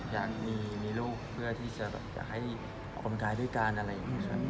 อยากมีลูกที่จะให้กรรมกายด้วยกันครับ